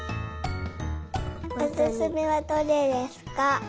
おすすめはどれですか？